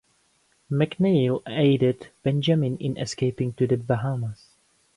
McNeill aided Benjamin in escaping to the Bahamas.